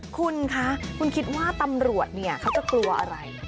คุณคะคุณคิดว่าตำรวจเนี่ยเขาจะกลัวอะไร